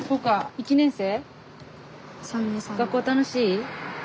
１年生？